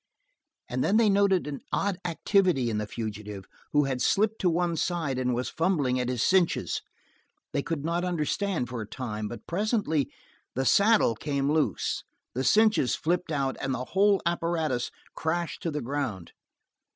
And then they noted an odd activity in the fugitive, who had slipped to one side and was fumbling at his cinches. They could not understand for a time, but presently the saddle came loose, the cinches flipped out, and the whole apparatus crashed to the ground.